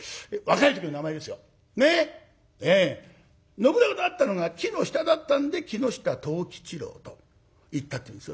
信長と会ったのが木の下だったんで木下藤吉郎といったっていうんですよね。